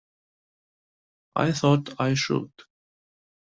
I thought I should.